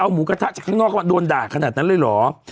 เอาหมูกระทะจากข้างนอกมาโดนด่าขนาดนั้นเลยเหรออืม